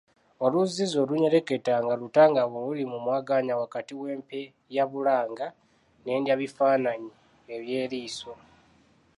Oluzzizzi olunyereketa nga lutangaavu oluli mu mwagaanya wakati w’empenyabulanga n’endabyabifaananyi eby’eriiso.